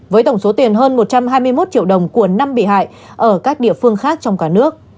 với tổng số tiền hơn một trăm hai mươi một triệu đồng của năm bị hại ở các địa phương khác trong cả nước